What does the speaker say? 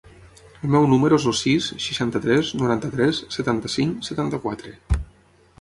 El meu número es el sis, seixanta-tres, noranta-tres, setanta-cinc, setanta-quatre.